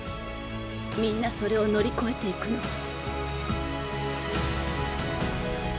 みんなそれを乗り越えていくの。